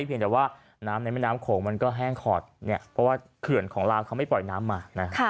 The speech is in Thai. เพียงแต่ว่าน้ำในแม่น้ำโขงมันก็แห้งขอดเนี่ยเพราะว่าเขื่อนของลาวเขาไม่ปล่อยน้ำมา